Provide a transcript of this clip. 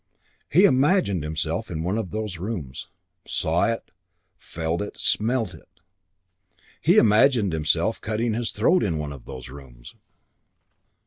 He imagined himself in one of those rooms, saw it, felt it, smelt it. He imagined himself cutting his throat in one of those rooms.